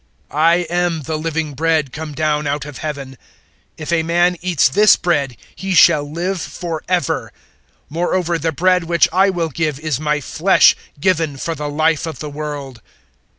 006:051 I am the living bread come down out of Heaven. If a man eats this bread, he shall live for ever. Moreover the bread which I will give is my flesh given for the life of the world."